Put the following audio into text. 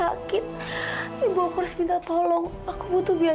bapak kena musibah bapak baru aja mencuri motor dan sekarang bapak masuk rumah sakit